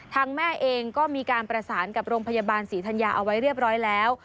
แม่เองก็มีการประสานกับโรงพยาบาลศรีธัญญาเอาไว้เรียบร้อยแล้ว